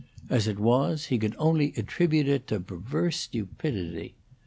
As it was, he could only attribute it to perversity or stupidity.